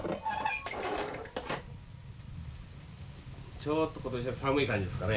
ちょっと今年は寒い感じですかね？